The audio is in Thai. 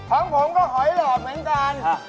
ของผมก็หอยหลอดเหมือนกัน